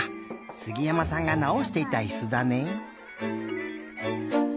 杉山さんがなおしていたいすだね。